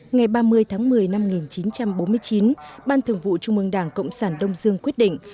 ngày ba mươi tháng một mươi năm một nghìn chín trăm bốn mươi chín ban thường vụ trung mương đảng cộng sản đông dương quyết định